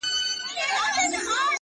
چي یو ږغ کړي د وطن په نامه پورته!